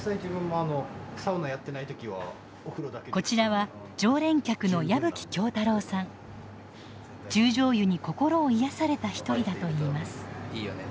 こちらは十條湯に心を癒やされた一人だといいます。